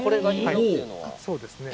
そうですね。